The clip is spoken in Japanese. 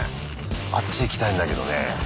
あっち行きたいんだけどね。